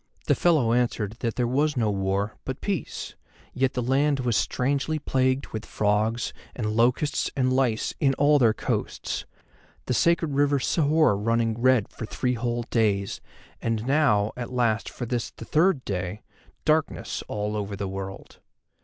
The fellow answered that there was no war, but peace, yet the land was strangely plagued with frogs and locusts and lice in all their coasts, the sacred river Sihor running red for three whole days, and now, at last, for this the third day, darkness over all the world.